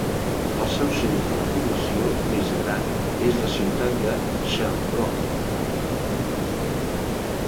El seu centre de població més gran és la ciutat de Sherbrooke.